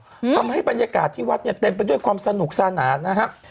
อืมทำให้บรรยากาศที่วัดเนี้ยเต็มไปด้วยความสนุกสนานนะครับ